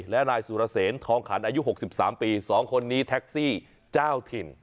และนายสุรเสนทองขันอายุ๖๓ปี๒คนนี้แท็กซี่เจ้าถิ่น